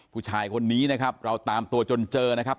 ผู้ชายคนนี้นะครับเราตามตัวจนเจอนะครับ